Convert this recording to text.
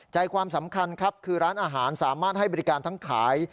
ใจความสำคัญครับคือร้านอาหารสามารถให้บริการทั้งขาย